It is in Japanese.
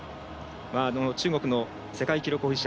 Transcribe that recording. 中国の世界記録保持者鄒